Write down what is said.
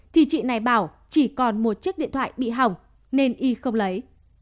thì chị này bảo chỉ còn một chiếc điện thoại bị hỏng nên y không lấy